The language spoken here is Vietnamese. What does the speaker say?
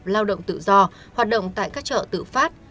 lao động tự do hoạt động tại các chợ tự phát